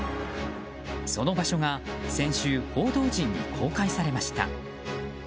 その場所が先週報道陣に公開されました。